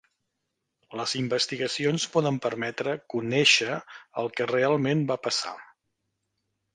Les investigacions poden permetre conèixer el que realment va passar.